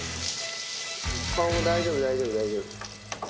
顔大丈夫大丈夫大丈夫。